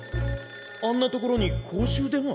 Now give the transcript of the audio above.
あんな所に公衆電話？